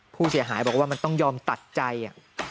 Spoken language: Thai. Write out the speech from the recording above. ผู้เสียหายบอกว่ามันต้องยอมตัดใจ